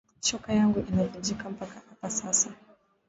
Shoka yangu ina vunjika paka apa sasa